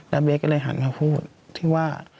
แล้วเบสก็เลยหันมาพูดที่ว่า